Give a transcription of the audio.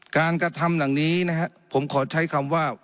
การกระทำอย่างนี้นะฮะผมขอใช้คำว่า